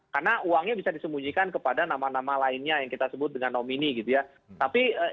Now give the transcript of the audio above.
karena uangnya bisa disembunyikan kepada nama nama lainnya yang kita sebut dengan nomini gitu ya